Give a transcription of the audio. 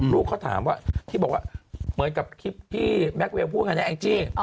ลูกเขาถามว่าที่บอกว่าเหมือนกับคลิปที่แม็กเวลพูดกันนะแองจี้